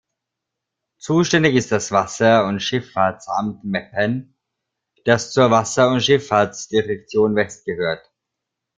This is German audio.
Zuständig ist das Wasser- und Schifffahrtsamt Meppen, das zur Wasser- und Schifffahrtsdirektion West gehört.